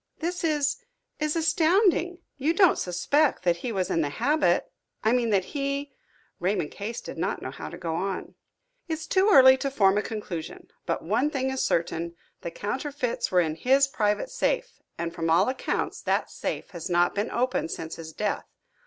"This is is astounding! You don't suspect that he was in the habit I mean that he " Raymond Case did not know how to go on. "It's too early to form a conclusion. But one thing is certain, the counterfeits were in his private safe, and from all accounts that safe had not been opened since his death.